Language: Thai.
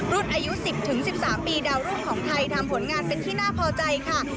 อายุ๑๐๑๓ปีดาวรุ่งของไทยทำผลงานเป็นที่น่าพอใจค่ะ